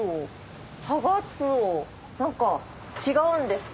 何か違うんですか？